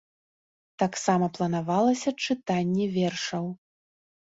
Таксама планавалася чытанне вершаў.